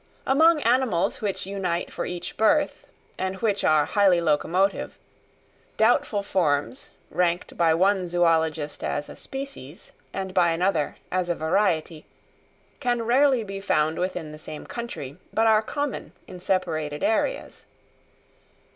Among animals which unite for each birth, and which are highly locomotive, doubtful forms, ranked by one zoologist as a species and by another as a variety, can rarely be found within the same country, but are common in separated areas.